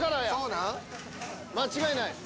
間違いない！